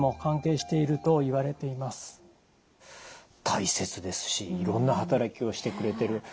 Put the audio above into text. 大切ですしいろんな働きをしてくれてる。